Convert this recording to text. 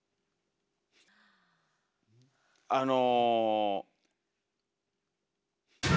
あの。